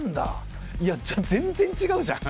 いやじゃあ全然違うじゃん。